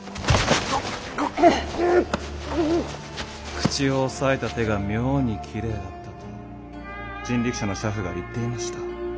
口を押さえた手が妙にきれいだったと人力車の車夫が言っていました。